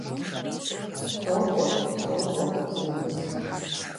Сокӏуэ, сокӏуэ - сынэмыс.